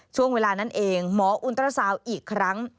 ช่วงเวลานั้นเองหมออุณตราสาวอีกครั้ง